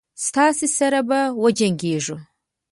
ستاسي سره به وجنګیږو.